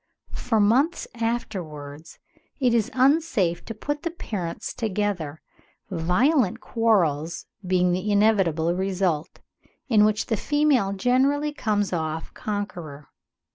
For months afterwards it is unsafe to put the parents together, violent quarrels being the inevitable result, in which the female generally comes off conqueror."